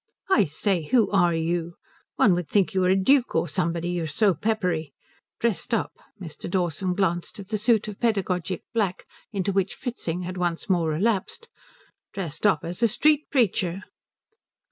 "I say, who are you? One would think you were a duke or somebody, you're so peppery. Dressed up" Mr. Dawson glanced at the suit of pedagogic black into which Fritzing had once more relapsed "dressed up as a street preacher."